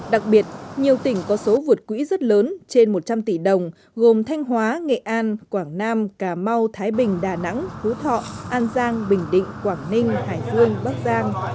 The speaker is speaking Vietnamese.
đặc biệt nhiều tỉnh có số vượt quỹ rất lớn trên một trăm linh tỷ đồng gồm thanh hóa nghệ an quảng nam cà mau thái bình đà nẵng phú thọ an giang bình định quảng ninh hải phương bắc giang